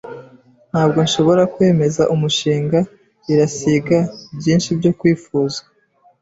Ntabwo nshobora kwemeza umushinga. Irasiga byinshi byo kwifuzwa.